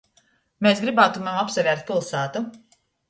Mes grybātumem apsavērt piļsātu.